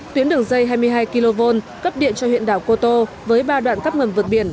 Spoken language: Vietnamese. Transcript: tuyến đường dây hai mươi hai kv cấp điện cho huyện đảo cô tô với ba đoạn cắp ngầm vượt biển